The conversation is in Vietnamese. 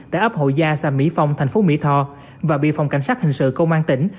đã ấp hội gia xa mỹ phong tp mỹ tho và bị phòng cảnh sát hình sự công an tỉnh